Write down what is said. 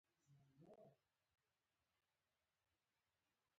د طبيعي تونل په ارته برخه کې و.